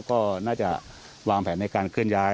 ก็น่าจะวางแผนในการเคลื่อนย้าย